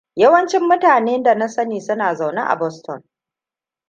Yawancin mutane da na sani suna zaune a Boston.